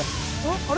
あれ？